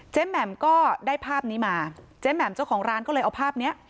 แหม่มก็ได้ภาพนี้มาเจ๊แหม่มเจ้าของร้านก็เลยเอาภาพเนี้ย